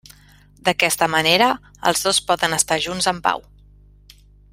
D'aquesta manera, els dos poden estar junts en pau.